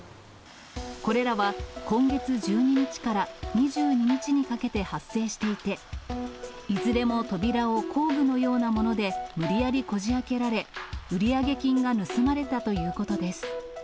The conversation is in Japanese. これらは今月１２日から２２日にかけて発生していて、いずれも扉を工具のようなもので無理やりこじあけられ、売上金が盗まれたということです。